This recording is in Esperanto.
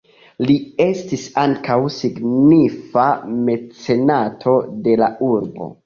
Li estis ankaŭ signifa mecenato de la urbo.